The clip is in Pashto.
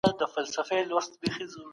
هغې مخکي لا د علم په ارزښت پوه سوې وه.